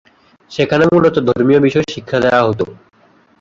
সেখানে মূলত ধর্মীয় বিষয়ে শিক্ষা দেয়া হতো।